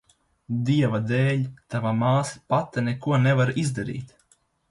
Dieva dēļ, tava māsa pati neko nevar izdarīt.